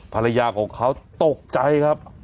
ภรรยาของเขาตกใจครับ